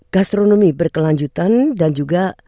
gastronomi berkelanjutan dan juga